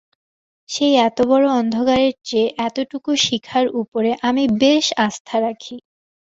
সেই এতবড়ো অন্ধকারের চেয়ে এতটুকু শিখার উপরে আমি বেশি আস্থা রাখি।